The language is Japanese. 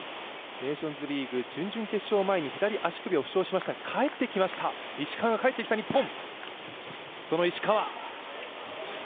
ネーションズリーグ準々決勝前に左足首を負傷しましたが石川が帰ってきた日本。